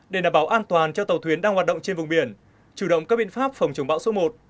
để đảm bảo an toàn cho tàu thuyền đang hoạt động trên vùng biển chủ động các biện pháp phòng chống bão số một